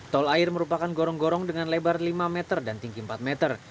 tol air merupakan gorong gorong dengan lebar lima meter dan tinggi empat meter